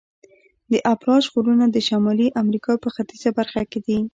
د اپالاش غرونه د شمالي امریکا په ختیځه برخه کې دي.